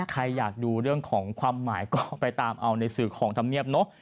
ใครอยากดูเรื่องของความหมายก็ไปตามเอาในสื่อของธรรมเนียบเนอะ